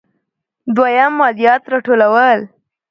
دویم: مالیات راټولول.